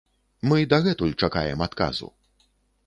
Мы дагэтуль чакаем адказу.